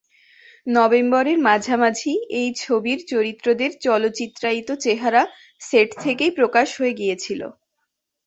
নভেম্বরের মাঝামাঝি এই ছবির চরিত্রদের চলচ্চিত্রায়িত চেহারা সেট থেকেই প্রকাশ হয়ে গিয়েছিল।